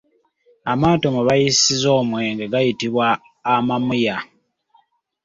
Amaato mwe bayiisiza omwenge gayitibwa amamuya.